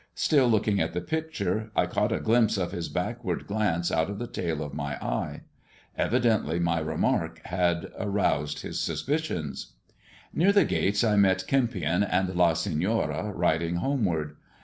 Still looking at the picture, I caught a glimpse of his backward glance out of the tail of my eye. Evidently my remark had aroused his suspicions. Near the gates I met Kempion and La Senora riding homeward.